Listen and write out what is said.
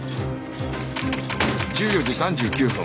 １４時３９分